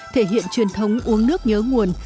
thể hiện truyền thống uống nước nhớ nguồn